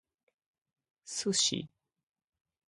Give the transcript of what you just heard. Sushi